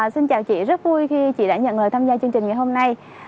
xin chào chị rất vui khi chị đã nhận lời tham gia chương trình ngày hôm nay